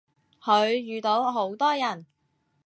佢遇到好多人